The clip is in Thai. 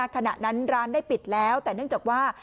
ขณะนั้นร้านได้ปิดแล้วแต่เนื่องจากว่า